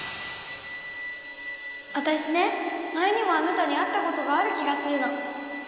わたしね前にもあなたに会ったことがある気がするの。